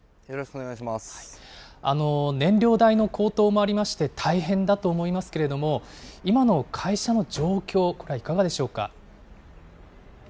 燃料代の高騰もありまして、大変だと思いますけれども、今の会社の状況、これはいかがでしょ